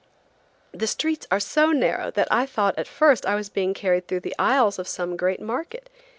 The streets are so narrow that I thought at first I was being carried through the aisles of some great market.